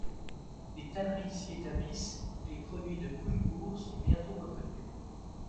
Des tanneries s'y établissent et les produits de Koungour sont bientôt reconnus.